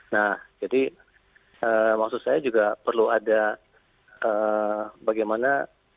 nah jadi maksud saya juga perlu ada bagaimana